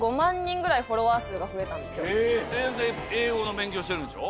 ほんで英語の勉強してるんでしょ？